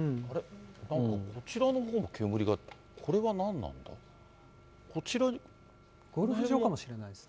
なんかこちらのほうの煙が、ゴルフ場かもしれないですね。